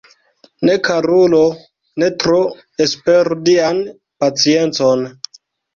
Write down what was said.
Ne, karulo, ne tro esperu Dian paciencon!